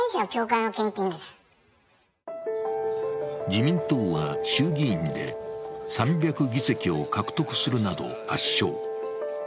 自民党は衆議院で３００議席を獲得するなど圧勝。